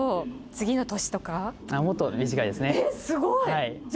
えっすごい！